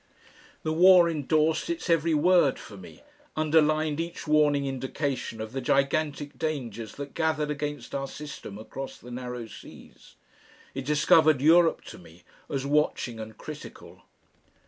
The war endorsed its every word for me, underlined each warning indication of the gigantic dangers that gathered against our system across the narrow seas. It discovered Europe to me, as watching and critical.